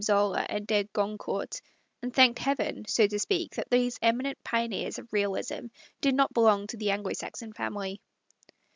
Zola and de Gron court, and thanked Heaven, so to speak, that those eminent pioneers of Realism did not belong to the Anglo Saxon family.